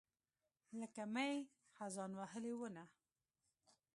لکه مئ، خزان وهلې ونه